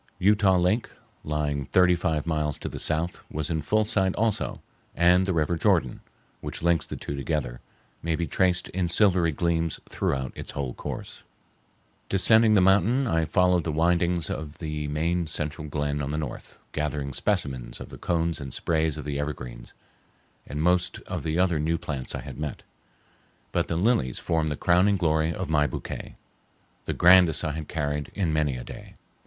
Utah Lake, lying thirty five miles to the south, was in full sight also, and the river Jordan, which links the two together, may be traced in silvery gleams throughout its whole course. Descending the mountain, I followed the windings of the main central glen on the north, gathering specimens of the cones and sprays of the evergreens, and most of the other new plants I had met; but the lilies formed the crowning glory of my bouquet—the grandest I had carried in many a day.